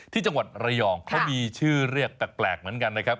ที่จังหวัดระยองเขามีชื่อเรียกแปลกเหมือนกันนะครับ